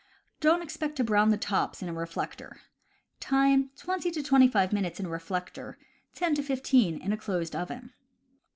Don't expect to brown the tops in a reflector. Time, twenty to twenty five minutes in a reflector, ten to fifteen in a closed oven.